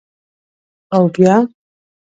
_اوبيا؟